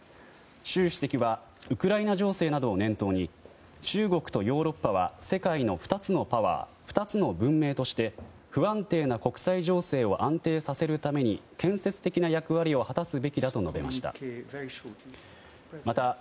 習主席はウクライナ情勢などを念頭に中国とヨーロッパは世界の２つのパワー２つの文明として不安定な国際情勢を安定させるために建設的な役割を果たすべきだと述べました。